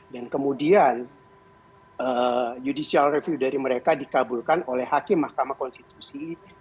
dan kemudian judicial review dari mereka dikabulkan oleh hakim mahkamah konsulat